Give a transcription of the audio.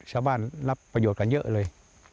ชาวบ้านรับประโยชน์ค่ะเยอะเลย